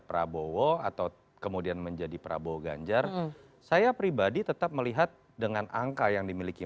prabowo atau kemudian menjadi prabowo ganjar saya pribadi tetap melihat dengan angka yang dimiliki